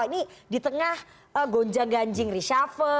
ini di tengah gonjang ganjing reshuffle